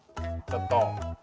ちょっと！